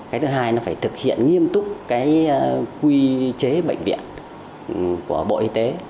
cái thứ hai là phải thực hiện nghiêm túc quy chế bệnh viện của bộ y tế